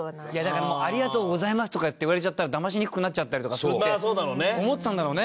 ありがとうございますとかって言われちゃったらだましにくくなっちゃったりとかするって思ってたんだろうね。